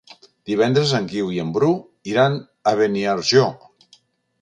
Divendres en Guiu i en Bru iran a Beniarjó.